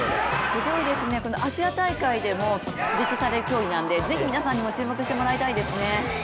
すごいですね、アジア大会でも実施される競技なんでぜひ皆さんにも注目してもらいたいですね。